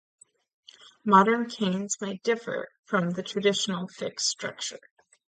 Modern canes may differ from the traditional fixed structure.